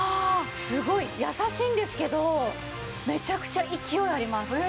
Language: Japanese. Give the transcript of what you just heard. すごい優しいんですけどめちゃくちゃ勢いあります。